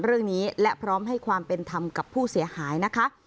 เรื่องนี้และพร้อมให้ความเป็นธรรมกับผู้เสียหายนะคะ